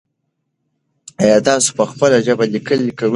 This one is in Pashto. ایا تاسو په خپله ژبه لیکل کوئ؟